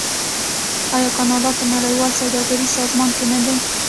آیا کاناډا په نړیوال سوداګریز سازمان کې نه دی؟